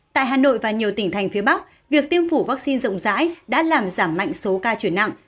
tại hà nội và nhiều tỉnh thành phía bắc việc tiêm vổ vaccine rộng rãi đã làm giảm mạnh số ca chuyển nặng